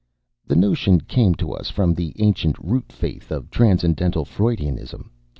"The notion came to us from the ancient root faith of Transcendental Freudianism.